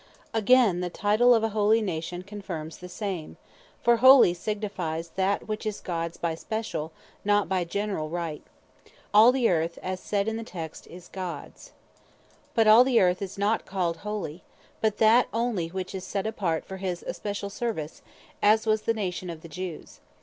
Again, the title of a Holy Nation confirmes the same: For Holy signifies, that which is Gods by speciall, not by generall Right. All the Earth (as is said in the text) is Gods; but all the Earth is not called Holy, but that onely which is set apart for his especiall service, as was the Nation of the Jews.